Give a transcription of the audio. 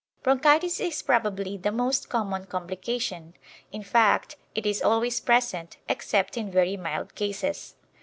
Bronchitis is probably the most common complication; in fact, it is always present, except in very mild cases.